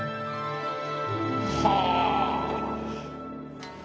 はあ！